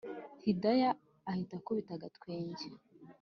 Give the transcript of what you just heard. hidaya ahita akubita agatwenge